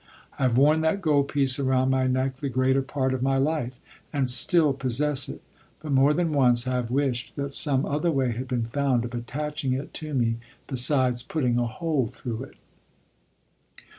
I have worn that gold piece around my neck the greater part of my life, and still possess it, but more than once I have wished that some other way had been found of attaching it to me besides putting a hole through it.